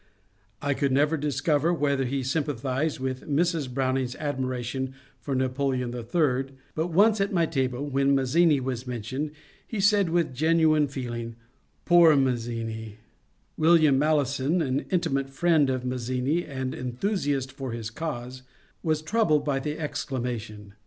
I could never discover whether he sympathized with Mrs. Browning's admiration for Napoleon III, but once at my table when Mazzini was men tioned he said with genuine feeling, ^^ Poor Mazzini I " Wil liam Malleson, an intimate friend of Mazzini and enthusiast for his cause, was troubled by the exclamation.